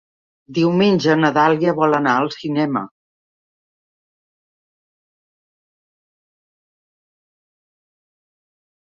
Diumenge na Dàlia vol anar al cinema.